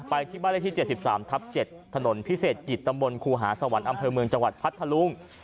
ไปที่บ้านเลขที่๗๓ทับ๗ถนนพิเศษกิจตำบลครูหาสวรรค์อำเภอเมืองจังหวัดพัทธลุง